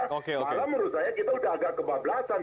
malah menurut saya kita udah agak kebablasan